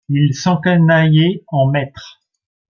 Il s’encanaillait en maître.